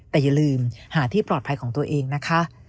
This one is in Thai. แต่อย่าลืมหาที่ปลอดภัยของตัวเองนะคะ